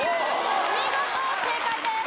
お見事正解です。